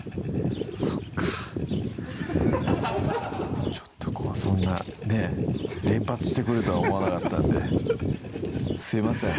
そっかちょっとそんなね連発してくるとは思わなかったんですいません